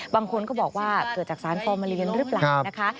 บางคนก็บอกว่าเกิดจากสารฟอร์มาเรียนหรือเปล่านะคะ